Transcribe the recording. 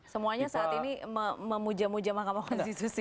semuanya saat ini memuja muja mahkamah konstitusi